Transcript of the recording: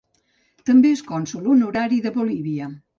També és cònsol honorari de Bolívia.